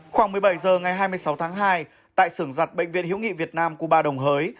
khoảng một mươi bảy h ngày hai mươi sáu tháng hai tại sưởng giặt bệnh viện hữu nghị việt nam cuba đồng hới